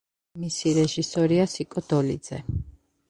მისი რეჟისორია სიკო დოლიძე.